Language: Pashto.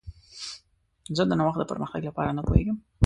زه د نوښت د پرمختګ لپاره نه پوهیږم.